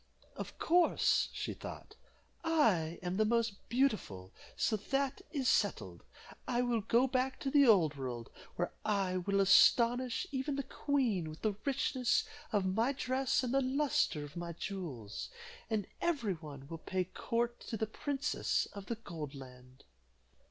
"Of course," she thought, "I am the most beautiful, so that is settled. I will go back to the old world, where I will astonish even the queen with the richness of my dress and the luster of my jewels, and every one will pay court to the princess of the Gold Land."